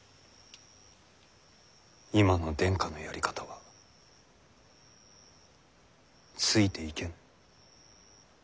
今の殿下のやり方はついていけぬ。